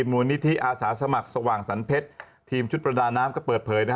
มูลนิธิอาสาสมัครสว่างสรรเพชรทีมชุดประดาน้ำก็เปิดเผย